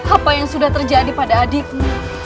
apa yang sudah terjadi pada adikmu